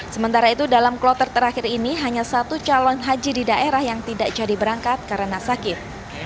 sementara itu dalam kloter terakhir ini hanya satu calon haji di daerah yang tidak jadi berangkat karena sakit